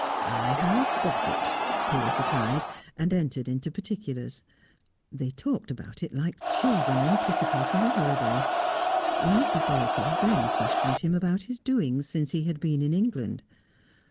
"I have got it," Piers replied, and entered into particulars. They talked about it like children anticipating a holiday. Mrs. Borisoff then questioned him about his doings since he had been in England.